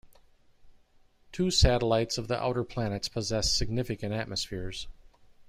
Two satellites of the outer planets possess significant atmospheres.